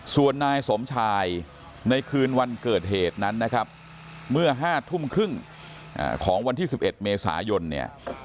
ส่วนนายสมชายในคืนวันเกิดเหตุนั้นนะครับเมื่อ๕ทุ่มครึ่งของวันที่๑๑เมษายนเนี่ย